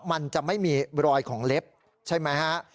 มันจะไม่มีรอยของเล็บใช่ไหมฮะ